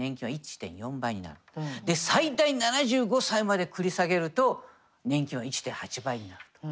最大７５歳まで繰り下げると年金は１．８倍になると。